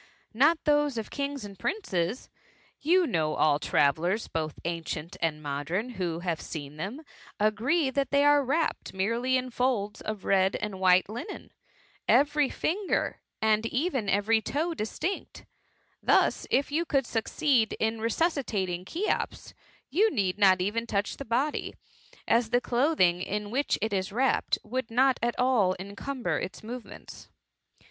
" Not those of kings and princes. You know all tmveUers, both ancient and modem, who have seen them, agree, that they are wrapped merely in folds of red and white Hnen, every finger and even every toe distinct ; thus, if you could succeed in resusdtaling Cbec^M, you need not even toudi the body; as the clothing in which it is wrapped, would not at all encumber its movements."